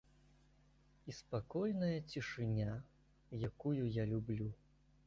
І спакойная цішыня, якую я люблю.